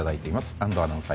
安藤アナウンサー